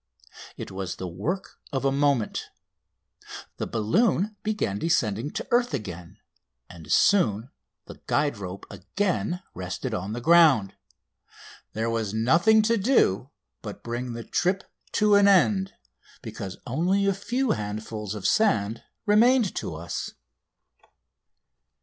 It was the work of a moment. The balloon began descending to earth again, and soon the guide rope again rested on the ground. There was nothing to do but to bring the trip to an end, because only a few handfuls of sand remained to us.